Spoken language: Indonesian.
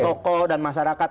toko dan masyarakat